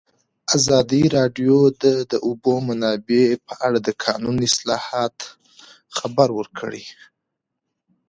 ازادي راډیو د د اوبو منابع په اړه د قانوني اصلاحاتو خبر ورکړی.